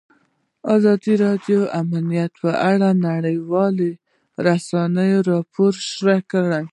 ازادي راډیو د امنیت په اړه د نړیوالو رسنیو راپورونه شریک کړي.